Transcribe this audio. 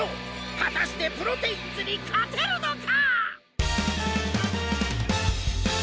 果たしてプロテインズに勝てるのか！？